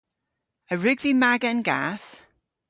A wrug vy maga an gath?